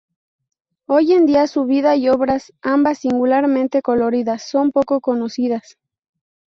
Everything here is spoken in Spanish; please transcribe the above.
Hoy en día su vida y obras –ambas singularmente coloridas– son poco conocidas.